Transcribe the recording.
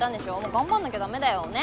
頑張んなきゃ駄目だよ。ね？